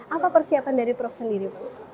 apa persiapan dari prof sendiri